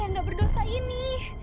dia gak berdosa ini